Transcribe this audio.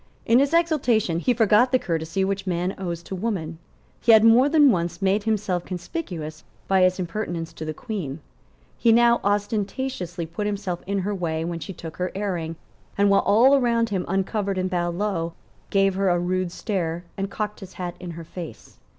In his exultation he forgot the courtesy which man owes to woman. He had more than once made himself conspicuous by his impertinence to the Queen. He now ostentatiously put himself in her way when she took her airing; and, while all around him uncovered and bowed low, gave her a rude stare and cocked his hat in her face.